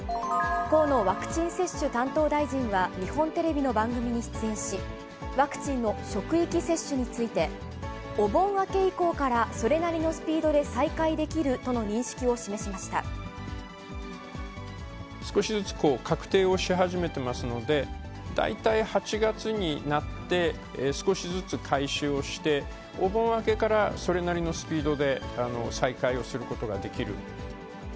河野ワクチン接種担当大臣は日本テレビの番組に出演し、ワクチンの職域接種について、お盆明け以降からそれなりのスピードで再開できるとの認識を示し少しずつこう、確定をし始めてますので、大体８月になって、少しずつ開始をして、お盆明けからそれなりのスピードで再開をすることができる。